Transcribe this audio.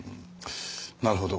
なるほど。